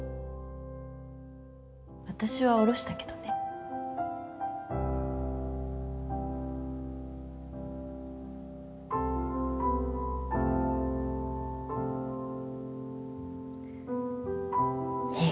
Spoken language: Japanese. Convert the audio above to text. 私は下ろしたけどね苦っ。